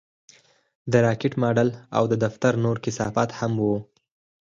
د راکټ ماډل او د دفتر نور کثافات هم وو